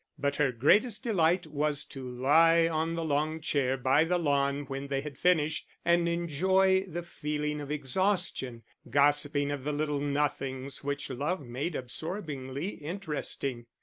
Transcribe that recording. But her greatest delight was to lie on the long chair by the lawn when they had finished, and enjoy the feeling of exhaustion, gossiping of the little nothings which love made absorbingly interesting.